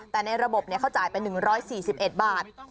แต่ในระบบเขาจ่ายไป๑๔๑บาท